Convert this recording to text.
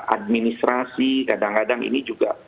administrasi kadang kadang ini juga